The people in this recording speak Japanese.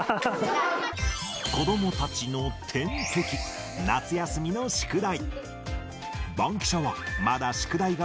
子どもたちの天敵、夏休みの宿題。